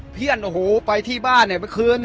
เพลินโอ้โหไปที่บ้านเนี่ยป๋นคืนด้วย